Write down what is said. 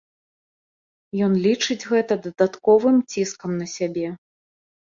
Ён лічыць гэта дадатковым ціскам на сябе.